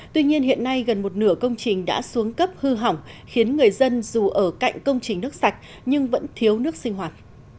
tuy nhiên hiện nay gần một nửa công trình đã xuống cấp hư hỏng khiến người dân dù ở cạnh công trình nước sạch nhưng vẫn thiếu nước sinh hoạt